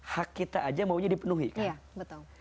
hak kita aja maunya dipenuhi kan